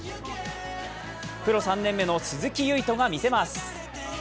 プロ３年目の鈴木唯人がみせます。